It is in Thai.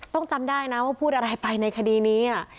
จำได้นะว่าพูดอะไรไปในคดีนี้